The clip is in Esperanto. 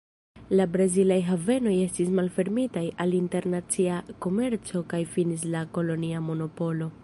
La brazilaj havenoj estis malfermitaj al internacia komerco kaj finis la kolonia monopolo.